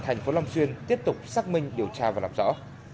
thành phố long xuyên tiếp tục xác minh điều tra và làm rõ